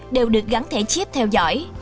đều được gắn thẻ chip theo dõi